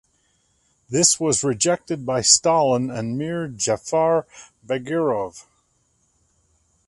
This was rejected by Stalin and Mir Jafar Bagirov.